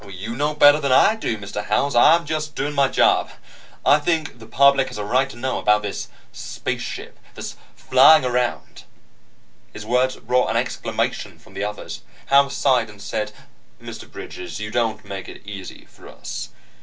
"You know better than I do, Mr. Howells. I'm just doing my job; I think the public has a right to know about this spaceship that's flying around "His words brought an exclamation from the others. Howells sighed, and said: "Mr. Bridges, you don't make it easy for us.